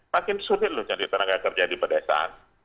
makin sulit loh jadi tenaga kerja di pedesaan